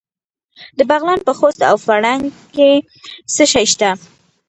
د بغلان په خوست او فرنګ کې څه شی شته؟